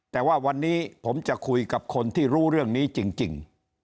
แต่ว่าวันนี้ผมจะคุยกับคนที่รู้เรื่องนี้จริง